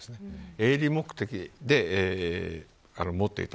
営利目的で持っていた。